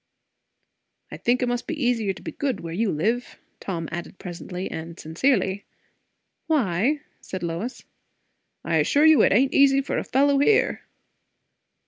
"I think it must be easier to be good where you live," Tom added presently, and sincerely. "Why?" said Lois. "I assure you it ain't easy for a fellow here."